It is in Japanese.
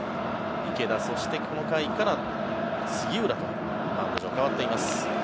池田、そしてこの回から杉浦とマウンド上、代わっています。